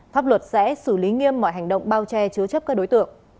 pháp luật sẽ xử lý nghiêm mọi hành động bao che chứa chấp các đối tượng